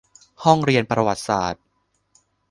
ห้องเรียนประวัติศาสตร์